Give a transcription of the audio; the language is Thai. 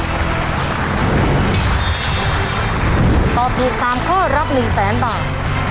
ตอบถูก๓ข้อรับ๑แสนบาท